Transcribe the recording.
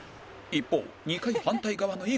一方２階反対側の井口